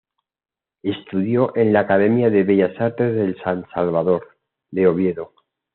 Estudió en la Academia de Bellas Artes de San Salvador, de Oviedo.